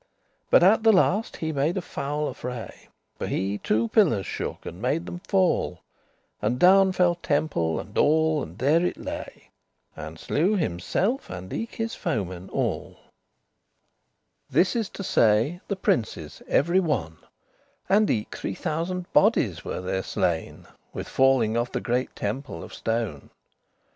But at the last he made a foul affray, For he two pillars shook, and made them fall, And down fell temple and all, and there it lay, And slew himself and eke his foemen all; This is to say, the princes every one; And eke three thousand bodies were there slain With falling of the great temple of stone.